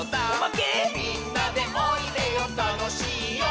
「みんなでおいでよたのしいよ」